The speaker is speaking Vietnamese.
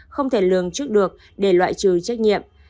không thể lường trước được để loại trừ trách nhiệm